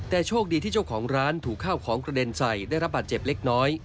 แต่โชคดีที่เจ้าของร้านถูกข้าวของกระเด็นใส่ได้รับบาดเจ็บเล็กน้อย